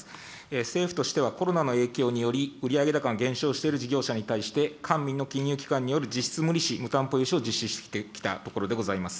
政府としてはコロナの影響により、売上高の減少している事業者に対して、官民の金融機関による実質無利子無担保融資を実施してきたところでございます。